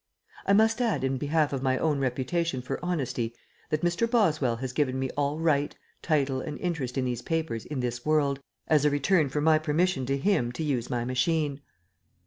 I must add in behalf of my own reputation for honesty that Mr. Boswell has given me all right, title, and interest in these papers in this world as a return for my permission to him to use my machine.